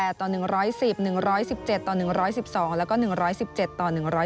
ต่อ๑๑๐๑๑๗ต่อ๑๑๒แล้วก็๑๑๗ต่อ๑๑